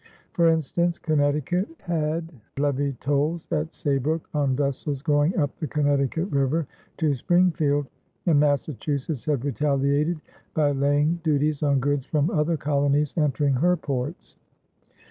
For instance, Connecticut had levied tolls at Saybrook on vessels going up the Connecticut River to Springfield, and Massachusetts had retaliated by laying duties on goods from other colonies entering her ports.